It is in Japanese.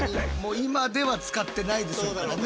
今では使ってないでしょうからね。